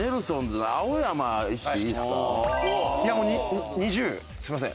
いやもう２０すみません。